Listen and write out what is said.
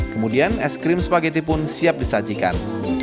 kemudian es krim spaghetti pun siap disajikan